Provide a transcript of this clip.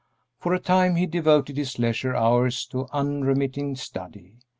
For a time he devoted his leisure hours to unremitting study.